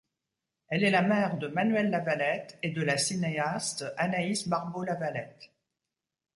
Elle est la mère de Manuel Lavalette et de la cinéaste Anaïs Barbeau-Lavalette.